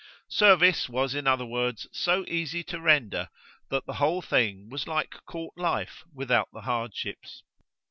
Service was in other words so easy to render that the whole thing was like court life without the hardships.